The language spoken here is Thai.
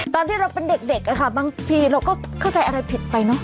ตอนที่เราเป็นเด็กอะค่ะบางทีเราก็เข้าใจอะไรผิดไปเนอะ